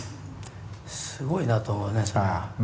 すごいなと思うねそれは。